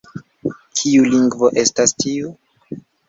Kiu lingvo estas tiu?